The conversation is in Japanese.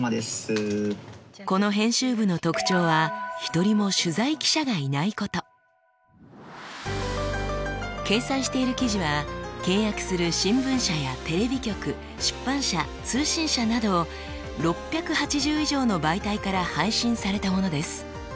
この編集部の特徴は掲載している記事は契約する新聞社やテレビ局出版社通信社など６８０以上の媒体から配信されたものです。